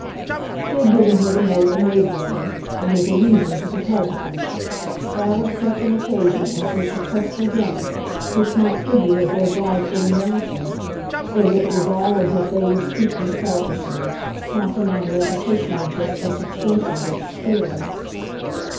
He had given her the note amazingly, by his allusion to the pleasantness that of such an occasion as his successful dinner which might figure as their bribe for renouncing; so that it was all as if they were speaking selfishly, counting on a repetition of just such extensions of experience.